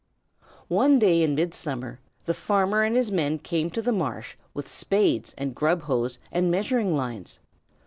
One day in midsummer the farmer and his men came to the marsh with spades and grub hoes and measuring lines.